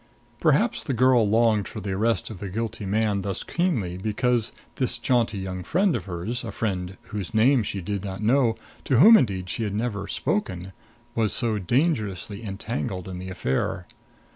Perhaps the girl longed for the arrest of the guilty man thus keenly because this jaunty young friend of hers a friend whose name she did not know to whom, indeed, she had never spoken was so dangerously entangled in the affair.